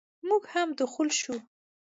موږ هم دخول شوو.